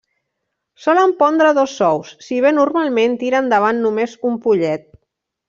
Solen pondre dos ous, si bé normalment tira endavant només un pollet.